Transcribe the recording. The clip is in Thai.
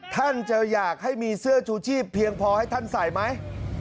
ท่านจะอยากให้มีเสื้อชูชีพเพียงพอให้ท่านใส่ไหม